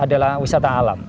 adalah wisata alam